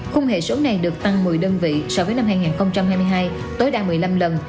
khung hệ số này được tăng một mươi đơn vị so với năm hai nghìn hai mươi hai tối đa một mươi năm lần